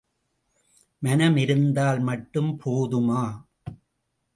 மனம் இருந்தால் மட்டும் போதுமா?